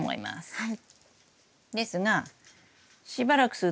はい。